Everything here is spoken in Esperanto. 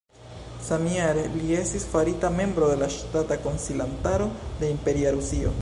Samjare, li estis farita membro de la Ŝtata Konsilantaro de Imperia Rusio.